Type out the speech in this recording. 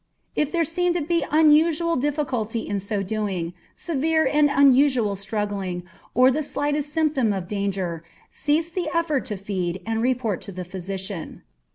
If there seem to be unusual difficulty in so doing, severe and unusual struggling, or the slightest symptom of danger, cease the effort to feed, and report to the physician.